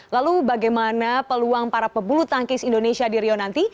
lalu bagaimana peluang para pebulu tangkis indonesia di rio nanti